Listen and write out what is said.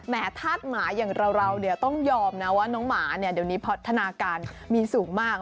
ธาตุหมาอย่างเราต้องยอมนะว่าน้องหมาเนี่ยเดี๋ยวนี้พัฒนาการมีสูงมาก